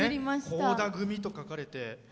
「倖田組」と書かれて。